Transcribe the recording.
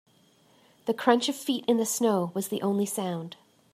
The crunch of feet in the snow was the only sound.